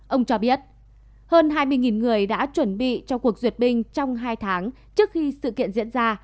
ông cho biết hơn hai mươi người đã chuẩn bị cho cuộc duyệt binh trong hai tháng trước khi sự kiện diễn ra